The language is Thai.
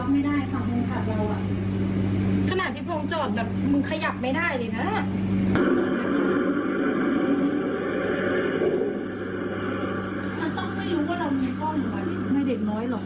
ว่าแล้วขีดอะไรอยู่ตรงนี้